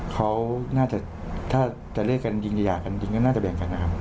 เขาน่าจะถ้าจะเรียกกันยิงหย่ากันจริงก็น่าจะแบ่งกันนะครับ